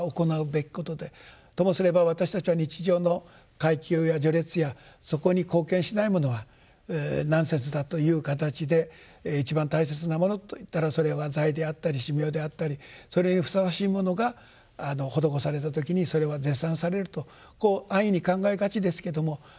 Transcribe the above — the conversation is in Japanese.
ともすれば私たちは日常の階級や序列やそこに貢献しないものはナンセンスだという形で一番大切なものといったらそれは財であったり身命であったりそれにふさわしいものが施された時にそれは絶賛されるとこう安易に考えがちですけどもそうではない。